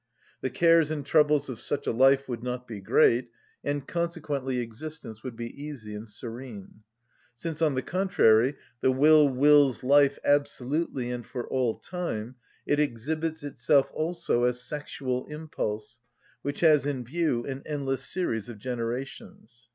The cares and troubles of such a life would not be great, and consequently existence would be easy and serene. Since, on the contrary, the will wills life absolutely and for all time, it exhibits itself also as sexual impulse, which has in view an endless series of generations.